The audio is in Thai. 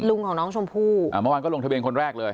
ของน้องชมพู่อ่าเมื่อวานก็ลงทะเบียนคนแรกเลย